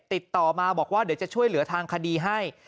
ติดต่อมาบอกว่าเดี๋ยวจะช่วยเหลือทางคดีให้